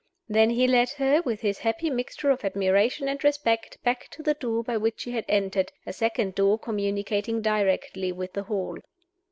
Then he led her, with his happy mixture of admiration and respect, back to the door by which she had entered a second door communicating directly with the hall.